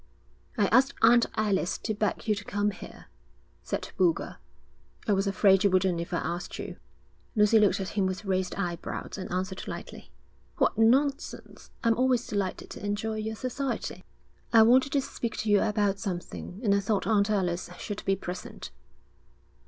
'I asked Aunt Alice to beg you to come here,' said Boulger. 'I was afraid you wouldn't if I asked you.' Lucy looked at him with raised eyebrows and answered lightly. 'What nonsense! I'm always delighted to enjoy your society.' 'I wanted to speak to you about something, and I thought Aunt Alice should be present.'